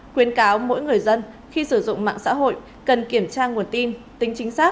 khuyến cáo mỗi người dân khi sử dụng mạng xã hội cần kiểm tra nguồn tin tính chính xác